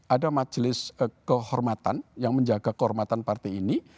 ada majelis kehormatan yang menjaga kehormatan partai ini